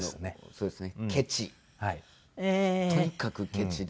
そうですね。